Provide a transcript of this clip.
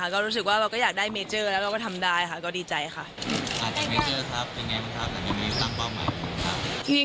ก็รู้สึกว่าเราก็อยากได้เมเจอร์แล้วแล้วก็ทำได้ค่ะก็ดีใจค่ะ